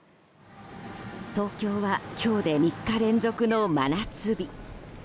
東京は今日で３日連続の真夏日。